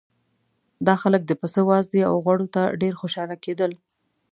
دا خلک د پسه وازدې او غوړو ته ډېر خوشاله کېدل.